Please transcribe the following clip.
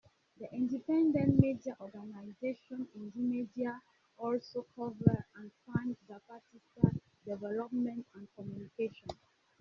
The independent media organization Indymedia also covers and prints Zapatista developments and communications.